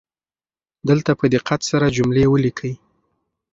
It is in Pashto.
دلته په دقت سره جملې ولیکئ.